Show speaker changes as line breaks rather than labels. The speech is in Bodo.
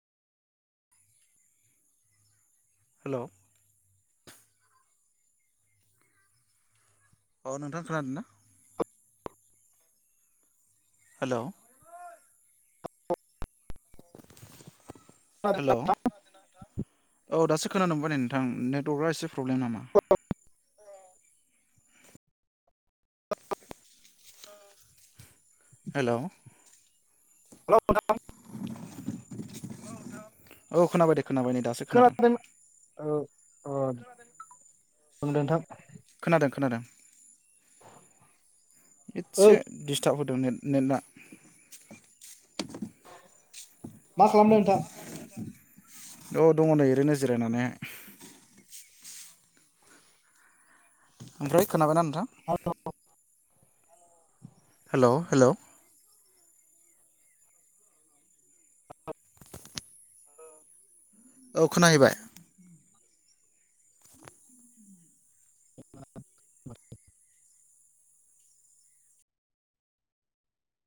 हेल'! अ' नोंथां खोनादोंना? हेल'! हेल'! औ दासो खोनानो मोनबाय नै नोंथां, नेटवर्कआ एसे प्रब्लेम नामा? हेल'!
हेल' नोंथां।
[unintelligible] औ खोनाबाय दे खोनाबाय नै दासो।
खोनादों [unintelligible] नोंथां?
खोनादों खोनादों।
ओ
एदसे डिस्टाब होदों नेट नेटआ।
मा खालामदों नोंथां?
औ दङ नै ओरैनो जिरायनानै। ओमफ्राय खोनाबायना नोंथां?
[unintelligible]
हेल' हेल'! औ खोनाहैबाय?
[inaudible]